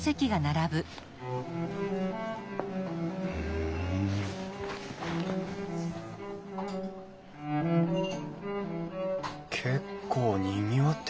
ふん結構にぎわってる。